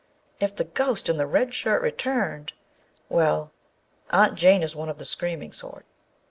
If the ghost in the red shirt returned â well, Aunt Jane is one of the screaming sort.